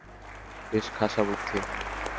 বেশ খাসা বুদ্ধি!